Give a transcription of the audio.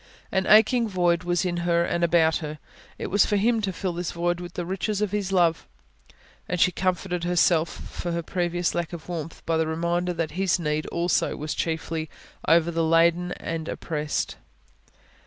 An aching void was in her and about her; it was for Him to fill this void with the riches of His love. And she comforted herself for her previous lack of warmth, by the reminder that His need also was chiefly of the heavy laden and oppressed.